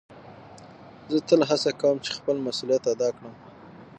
زه تل هڅه کؤم چي خپل مسؤلیت ادا کړم.